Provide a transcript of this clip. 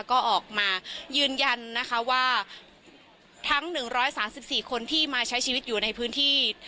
ก็ออกมายืนยันนะคะว่าทั้งหนึ่งร้อยสามสิบสี่คนที่มาใช้ชีวิตอยู่ในพื้นที่